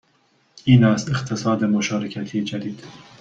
این است اقتصاد مشارکتی جدید